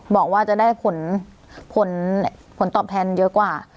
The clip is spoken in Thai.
บอกว่าจะได้ผลตอบแทนเยอะกว่า